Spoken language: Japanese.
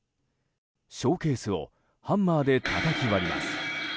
ショーケースをハンマーでたたき割ります。